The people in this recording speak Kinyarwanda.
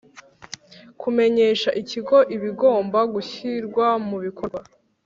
Kumenyesha Ikigo ibigomba gushyirwa mu bikorwa